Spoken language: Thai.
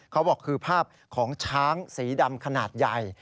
เขาบอกคือภาพของช้างสีดำขนาดใหญ่